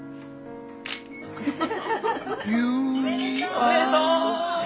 おめでとう！